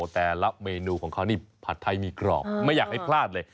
แต่ละเมนูของเขานี่ผัดไทยมีกรอบไม่อยากให้พลาดเลย